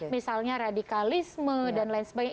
misalnya radikalisme dan lain sebagainya